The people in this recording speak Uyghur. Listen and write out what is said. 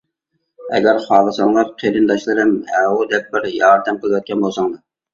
ئەگەر خالىساڭلار قېرىنداشلىرىم، ھە-ھۇ دەپ بىر ياردەم قىلىۋەتكەن بولساڭلار.